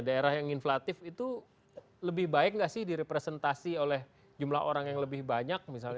daerah yang inflatif itu lebih baik nggak sih direpresentasi oleh jumlah orang yang lebih banyak misalnya